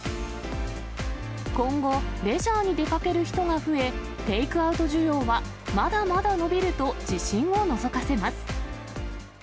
今後、レジャーに出かける人が増え、テイクアウト需要はまだまだ伸びると自信をのぞかせます。